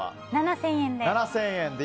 ７０００円で。